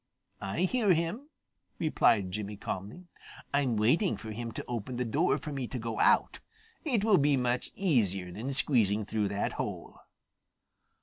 "I hear him," replied Jimmy calmly. "I'm waiting for him to open the door for me to go out. It will be much easier than squeezing through that hole."